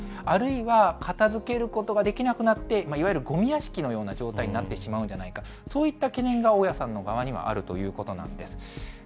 あるいは片づけることができなくなって、いわゆる、ごみ屋敷のような状態になってしまうんではないか、そういった懸念が大家さんの側にはあるということなんです。